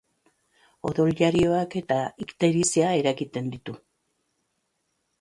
Odoljarioak eta ikterizia eragiten ditu.